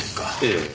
ええ。